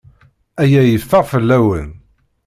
Aya yeffeɣ fell-awen.